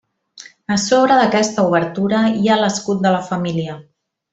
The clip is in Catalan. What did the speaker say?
A sobre d'aquesta obertura hi ha l'escut de la família.